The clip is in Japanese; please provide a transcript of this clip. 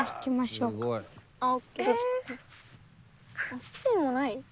あっちにもない？